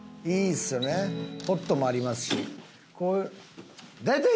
ホットもありますし。